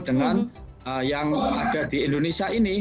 dengan yang ada di indonesia ini